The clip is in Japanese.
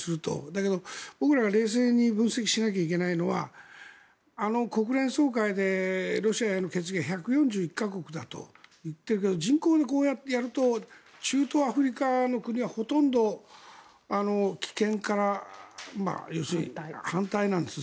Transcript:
だけど僕らが冷静に分析しなきゃいけないのは国連総会でロシアへの決議が１４１か国だと言ってるけど人口でこうやってやると中東、アフリカの国はほとんど棄権から反対なんです。